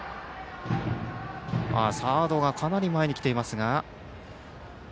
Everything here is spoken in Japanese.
サードがかなり前に来ていますが。